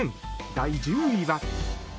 第１０位は。